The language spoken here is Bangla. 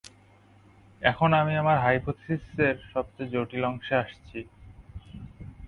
এখন আমি আমার হাইপোথিসিসের সবচেয়ে জটিল অংশে আসছি।